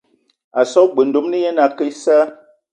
A so g-beu ndomni ye na ake issa.